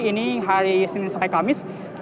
ini hari senin sampai kamis